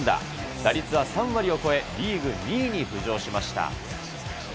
打率は３割を超え、リーグ２位に浮上しました。